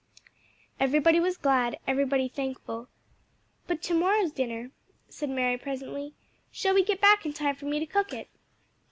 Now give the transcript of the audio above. Everybody was glad, everybody thankful. "But to morrow's dinner," said Mary, presently; "shall we get back in time for me to cook it?"